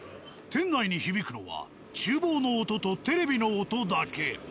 店内に響くのは厨房の音とテレビの音だけ。